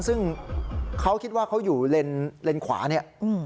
ซึ่งเขาคิดว่าเขาอยู่เลนส์ขวาเนี่ย